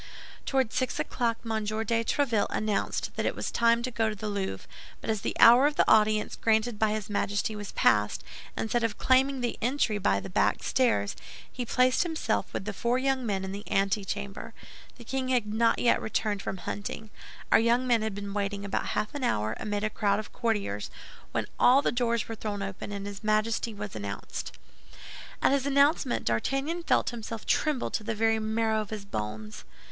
Toward six o'clock M. de Tréville announced that it was time to go to the Louvre; but as the hour of audience granted by his Majesty was past, instead of claiming the entrée by the back stairs, he placed himself with the four young men in the antechamber. The king had not yet returned from hunting. Our young men had been waiting about half an hour, amid a crowd of courtiers, when all the doors were thrown open, and his Majesty was announced. At his announcement D'Artagnan felt himself tremble to the very marrow of his bones.